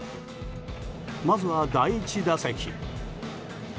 まずは第１打席。